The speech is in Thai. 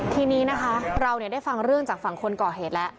ทีนี้นะคะเราได้ฟังเรื่องจากฝั่งคนก่อเหตุแล้ว